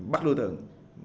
bắt đối tượng